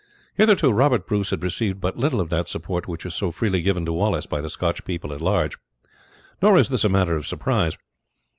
Hitherto Robert Bruce had received but little of that support which was so freely given to Wallace by the Scotch people at large; nor is this a matter for surprise.